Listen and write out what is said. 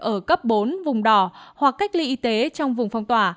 ở cấp bốn vùng đỏ hoặc cách ly y tế trong vùng phong tỏa